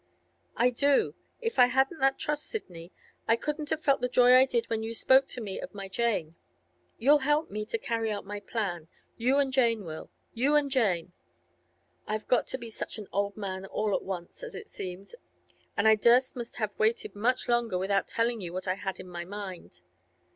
'I do! If I hadn't that trust, Sidney, I couldn't have felt the joy I did when you spoke to me of my Jane. You'll help me to carry out my plan; you and Jane will; you and Jane! I've got to be such an old man all at once, as it seems, and I dursn't have waited much longer without telling you what I had in my mind.